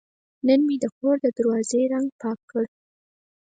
نن مې د کور د دروازې رنګ پاک کړ.